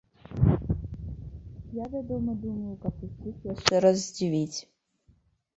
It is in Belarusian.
Я, вядома, думаю, каб усіх яшчэ раз здзівіць.